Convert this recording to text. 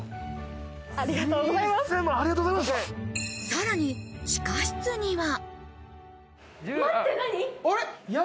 さらに地下室には。